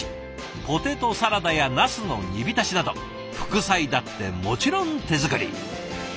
ポテトサラダやなすの煮浸しなど副菜だってもちろん手作り。